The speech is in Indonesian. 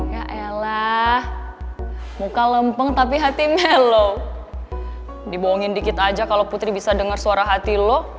ya elah muka lempeng tapi hati mellow dibohongin dikit aja kalau putri bisa denger suara hati lo